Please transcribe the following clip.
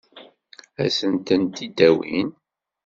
Ad sen-ten-id-awin?